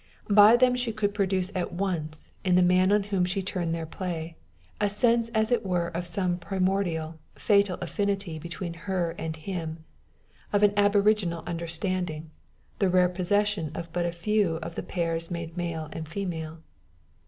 By them she could produce at once, in the man on whom she turned their play, a sense as it were of some primordial, fatal affinity between her and him of an aboriginal understanding, the rare possession of but a few of the pairs made male and female.